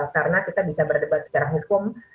karena kita bisa berdebat secara hukum